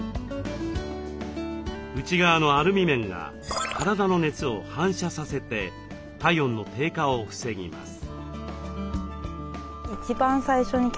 内側のアルミ面が体の熱を反射させて体温の低下を防ぎます。